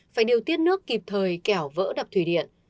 phải điều tiết nước kịp thời kẻo vỡ đập thủy điện